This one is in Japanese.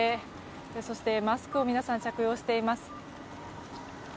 そしてマスクを皆さん着用しています。